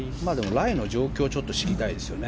ライの状況を知りたいですよね。